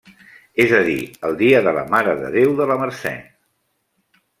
És a dir, el dia de la Mare de Déu de la Mercè.